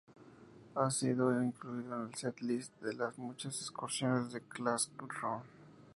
Ha sido incluido en el set-list de las muchas excursiones de Clarkson.